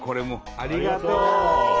ありがとう！